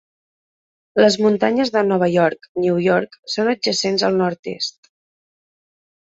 Les muntanyes de Nova York New York són adjacents al nord-est.